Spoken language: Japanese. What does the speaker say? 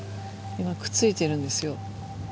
今くっついてるんですよ。